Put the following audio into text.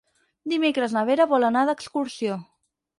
Dimecres na Vera vol anar d'excursió.